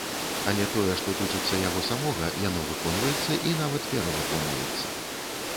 Але тое, што тычыцца яго самога, яно выконваецца і нават перавыконваецца.